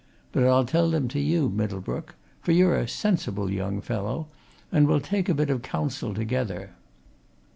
But I'll tell them to you, Middlebrook for you're a sensible young fellow, and we'll take a bit of counsel together.